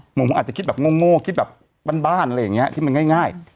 ผมอาจจะจากคิดโง่คิดแบบบ้านที่มันง่าย